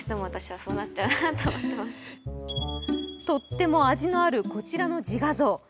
とっても味のあるこちらの自画像。